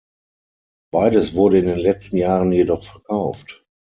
Beides wurde in den letzten Jahren jedoch verkauft.